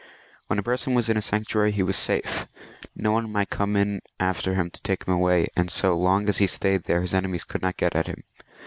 When a person was in a sanctuary he was safe, no one might come in after him to take him away, and so long as he stayed there his enemies could not get at him.